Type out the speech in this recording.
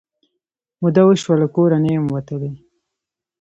موده وشوه له کور نه یم وتلې